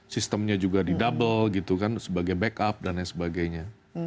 sistemnya juga di double gitu kan sebagai backup dan lain sebagainya